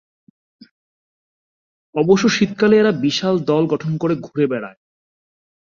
অবশ্য শীতকালে এরা বিশাল দল গঠন করে ঘুরে বেড়ায়।